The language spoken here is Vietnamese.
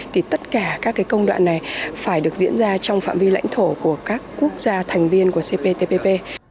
thì tất cả các công đoạn này phải được diễn ra trong phạm vi lãnh thổ của các quốc gia thành viên của cptpp